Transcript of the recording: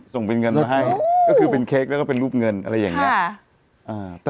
ส่งเป็นเงินมาให้ก็คือเป็นเค้กแล้วก็เป็นรูปเงินอะไรอย่างนี้